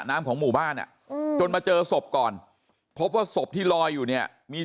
ของหมู่บ้านอ่ะจนมาเจอศพก่อนพบว่าศพที่ลอยอยู่เนี่ยมี